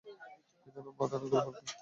এখানে মাধানা গোপাল কে?